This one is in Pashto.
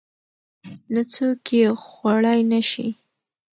نه څوک يې خوړى نشي.